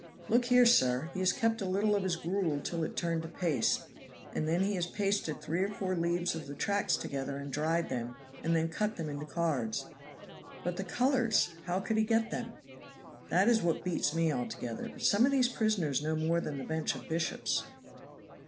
"Look here, sir. He has kept a little of his gruel till it turned to paste, and then he has pasted three or four leaves of the tracts together and dried them, and then cut them into cards." "But the colors how could he get them?" "That is what beats me altogether; but some of these prisoners know more than the bench of bishops."